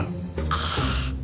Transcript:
ああ！